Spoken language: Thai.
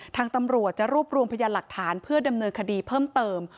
ทางตำรวจจะรวบรวมพยานหลักฐานเพื่อดำเนินคดีเพิ่มเติม